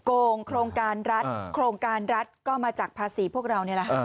โกงโครงการรัฐโครงการรัฐก็มาจากภาษีพวกเรานี่แหละค่ะ